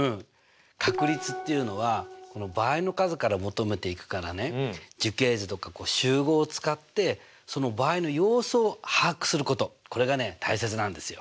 確率っていうのは場合の数から求めていくからね樹形図とか集合を使ってその場合の様子を把握することこれがね大切なんですよ。